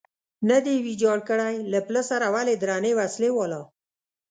نه دی ویجاړ کړی، له پله سره ولې درنې وسلې والا.